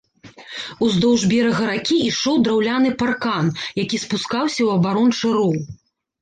Уздоўж берага ракі ішоў драўляны паркан, які спускаўся ў абарончы роў.